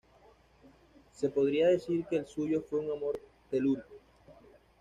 Se podría decir que el suyo fue un amor telúrico.